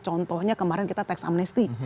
contohnya kemarin kita teks amnesty